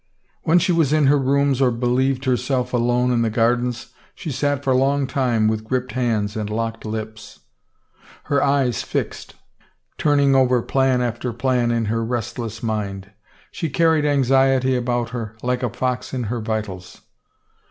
When she was in her rooms or believed herself alone in the gardens, she sat for long time with gripped hands and locked lips, her eyes fixed, turning over plan after plan in her restless mind. She carried anxiety about with her, like a fox in her vitals.